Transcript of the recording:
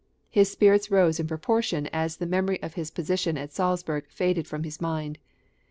His spirits rose in proportion as the memory of his position at Salzburg faded from his mind.